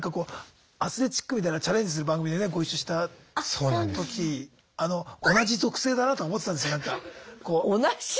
アスレチックみたいなチャレンジする番組でねご一緒した時同じ属性でいいんですか？